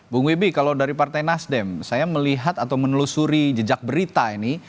bung wibi kalau dari partai nasdem saya melihat atau menelusuri jejak berita ini